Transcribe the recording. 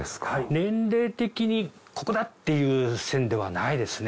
年齢的にここだっていう線ではないですね。